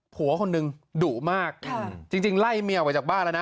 ผัวคนนึงดุมากจริงไล่เมียไปจากบ้านละนะ